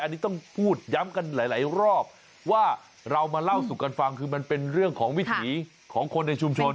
อันนี้ต้องพูดย้ำกันหลายรอบว่าเรามาเล่าสู่กันฟังคือมันเป็นเรื่องของวิถีของคนในชุมชน